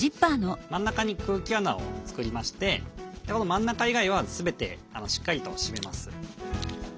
真ん中に空気穴を作りましてこの真ん中以外は全てしっかりと締めます。